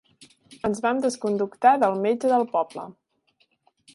Ens vam desaconductar del metge del poble.